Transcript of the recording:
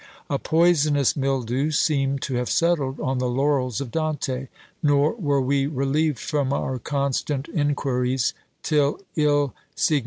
A poisonous mildew seemed to have settled on the laurels of Dante; nor were we relieved from our constant inquiries, till il Sigr.